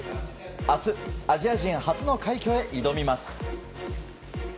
明日アジア人初の快挙に挑みます。